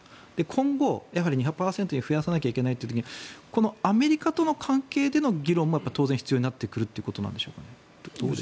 今後、２００％に増やさないといけないとなった時にアメリカとの関係での議論も必要になってくるということでしょうか。